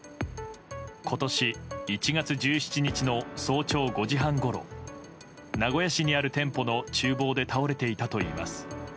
今年１月１７日の早朝５時半ごろ名古屋市にある店舗の厨房で倒れていたといいます。